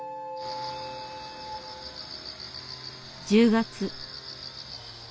１０月。